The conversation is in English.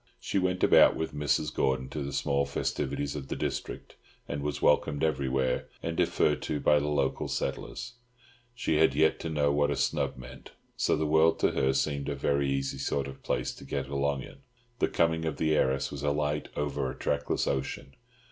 She went about with Mrs. Gordon to the small festivities of the district, and was welcomed everywhere, and deferred to by the local settlers; she had yet to know what a snub meant; so the world to her seemed a very easy sort of place to get along in. The coming of the heiress was as light over a trackless ocean.